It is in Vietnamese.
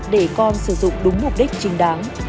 để con sử dụng đúng mục đích trình đáng